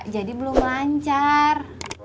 jadi belum lancar